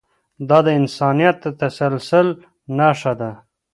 دا د انسانیت د تسلسل نښه ده.